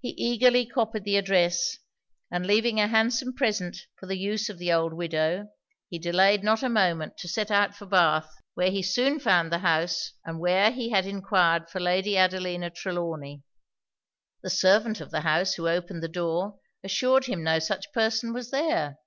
He eagerly copied the address; and leaving a handsome present for the use of the old widow, he delayed not a moment to set out for Bath, where he soon found the house, and where he had enquired for Lady Adelina Trelawny. The servant of the house who opened the door assured him no such person was there.